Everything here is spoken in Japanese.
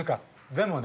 でもね